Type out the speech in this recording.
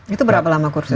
itu berapa lama kursusnya